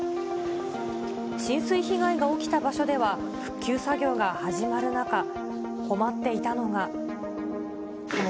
浸水被害が起きた場所では、復旧作業が始まる中、困っていたのが。